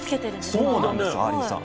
そうなんですよあーりんさん。